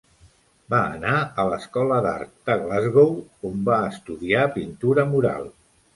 Va anar a l'Escola d'Art de Glasgow, on va estudiar pintura mural.